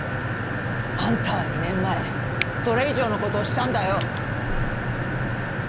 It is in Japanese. あんたは２年前それ以上のことをしたんだよ。